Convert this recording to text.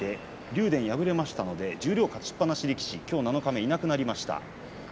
竜電、敗れましたので十両の勝ちっぱなしはきょうでなくなりました。